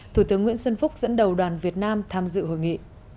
thủ tướng nguyễn xuân phúc dẫn đầu đoàn việt nam tham dự hội nghị